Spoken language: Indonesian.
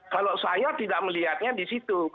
kalau saya tidak melihatnya di situ